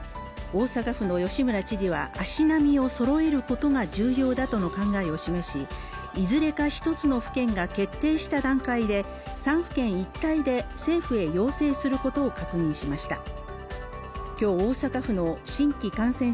大阪府の吉村知事は足並みをそろえることが重要だとの考えを示しいずれか１つの府県が決定した段階で３府県一体で政府へ要請することを確認しました。